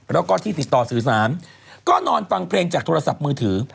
แล้วก็ที่ติดต่อสื่อสารก็นอนฟังเพลงจากโทรศัพท์มือถือ